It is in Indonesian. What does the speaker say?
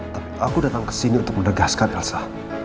tapi aku datang kesini untuk mendegaskan elsa